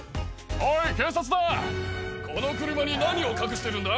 おい警察だこの車に何を隠してるんだ？